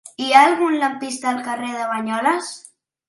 Hi ha algun lampista al carrer de Banyoles?